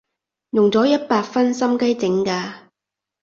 用咗一百分心機整㗎